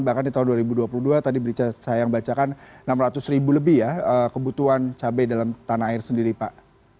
bahkan di tahun dua ribu dua puluh dua tadi saya yang bacakan enam ratus ribu lebih ya kebutuhan cabai dalam tanah air sendiri pak